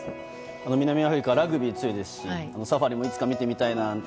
南アフリカはラグビー強いですしサファリをいつか見てみたいなと。